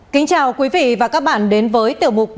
kính chào quý vị và các bạn đến với tiểu mục